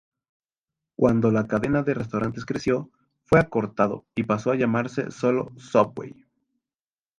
Cuando la cadena de restaurantes creció, fue acortado y pasó a llamarse solo "Subway".